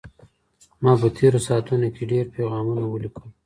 ما په تېرو ساعتونو کې ډېر پیغامونه ولیکل.